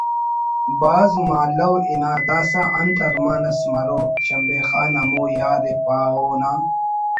بھاز مہالو ہنا داسہ انت ارمان اس مرو شمبے خان ہمو یار ءِ پاہو نا